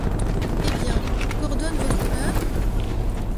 Eh bien ! qu’ordonne Votre Honneur ?